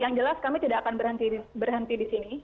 yang jelas kami tidak akan berhenti di sini